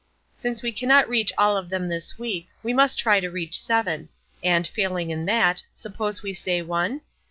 Since we cannot reach all of them this week, we must try to reach seven; and failing in that, suppose we say one?